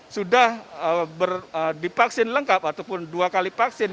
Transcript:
sudah divaksin lengkap ataupun dua kali vaksin